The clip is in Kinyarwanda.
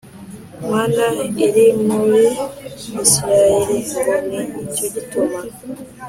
Mana iri muri Isirayeli Ngo ni cyo gituma